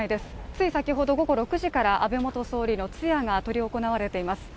つい先ほど、午後６時から安倍元総理の通夜が執り行われています。